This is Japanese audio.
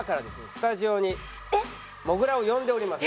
スタジオにもぐらを呼んでおります。